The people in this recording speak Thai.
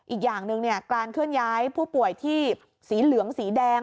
อีกอย่างหนึ่งการเคลื่อนย้ายผู้ป่วยที่สีเหลืองสีแดง